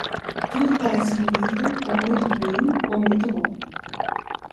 Tudo parece moído, ou muito ruim ou muito bom.